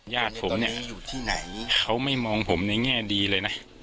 ญาติผมเนี่ยเขาไม่มองผมในแง่ดีเลยนะ